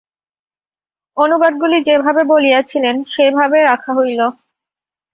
অনুবাদগুলি যেভাবে বলিয়াছিলেন, সেইভাবেই রাখা হইল।